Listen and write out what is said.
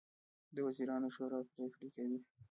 د وزیرانو شورا پریکړې کوي